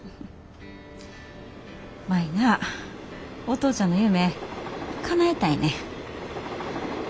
舞なお父ちゃんの夢かなえたいねん。